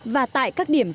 và tại các điểm di sản